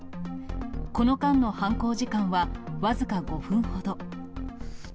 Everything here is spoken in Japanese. この間の犯行時間は僅か５分ほど。